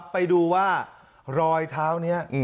ไปดูว่ารอยเท้านี้